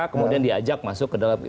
kemudian diajak masuk ke dalam